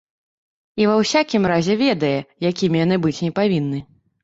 І ва ўсякім разе ведае, якімі яны быць не павінны.